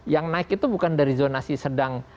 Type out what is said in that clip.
yang naik itu bukan dari zonasi sedang